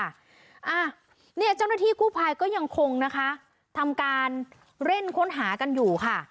อ่ะเนี่ยเจ้าหน้าที่กู้ภัยก็ยังคงนะคะทำการเร่งค้นหากันอยู่ค่ะ